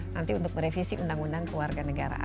nanti untuk merevisi undang undang warga negara